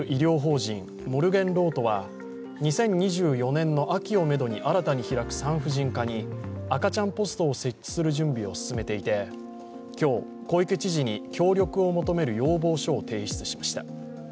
２０２４年の秋をめどに新たに開く産婦人科に赤ちゃんポストを設置する準備を進めていて今日、小池知事に協力を求める要望書を提出しました。